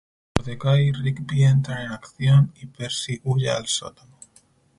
Mordecai y Rigby entran en acción, y Percy huya al sótano.